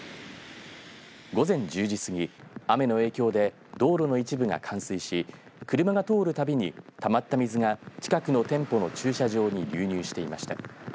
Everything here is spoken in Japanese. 午前１０時過ぎ、雨の影響で道路の一部が冠水し車が通るたびに、たまった水が近くの店舗の駐車場に流入していました。